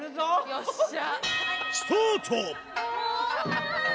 よっしゃ！